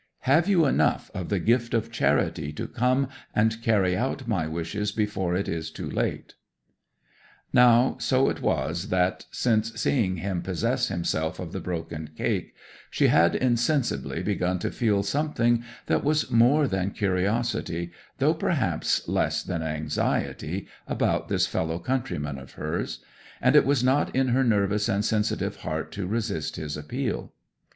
Have you enough of the gift of charity to come and carry out my wishes before it is too late?" 'Now so it was that, since seeing him possess himself of the broken cake, she had insensibly begun to feel something that was more than curiosity, though perhaps less than anxiety, about this fellow countryman of hers; and it was not in her nervous and sensitive heart to resist his appeal.